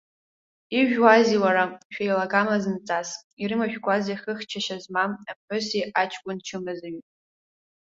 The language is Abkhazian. Ижәуазеи, уара, шәеилагама зынӡас, ирымашәкузеи хыхьчашьа змам аԥҳәыси аҷкәын чымазаҩи!